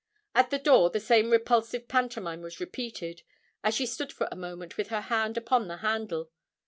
At the door the same repulsive pantomime was repeated, as she stood for a moment with her hand upon the handle.